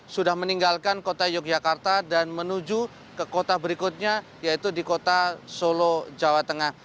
sudah meninggalkan kota yogyakarta dan menuju ke kota berikutnya yaitu di kota solo jawa tengah